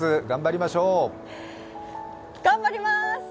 頑張ります。